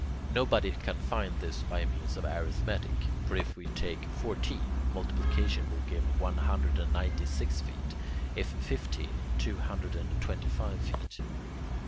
Nobody can find this by means of arithmetic. For if we take fourteen, multiplication will give one hundred and ninety six feet; if fifteen, two hundred and twenty five feet.